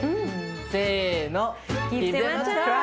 せの。